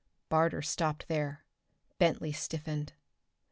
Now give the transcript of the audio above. Barter stopped there. Bentley stiffened.